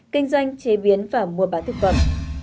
kinh doanh chế biến và mua bán thực phẩm